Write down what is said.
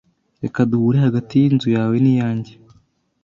[T] Reka duhure hagati yinzu yawe niyanjye.